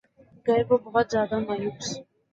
گر وہ بہت زیادہ مایوس